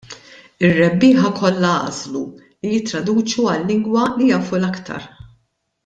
Ir-rebbieħa kollha għażlu li jittraduċu għal-lingwa li jafu l-aktar.